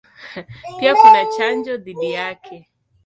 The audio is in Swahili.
Pia kuna chanjo dhidi yake.